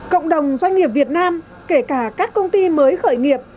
cộng đồng doanh nghiệp việt nam kể cả các công ty mới khởi nghiệp